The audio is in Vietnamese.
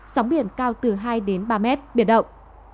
sóng biển cao từ hai đến ba mét biển động